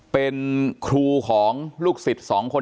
เป็นครูของลูกศิษย์๒คน